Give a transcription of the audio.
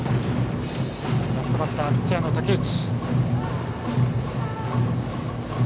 ラストバッターはピッチャーの武内。